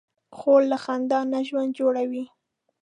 خور له خندا نه ژوند جوړوي.